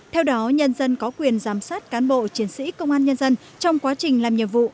theo đó nhân dân có quyền giám sát cán bộ chiến sĩ công an nhân dân trong quá trình làm nhiệm vụ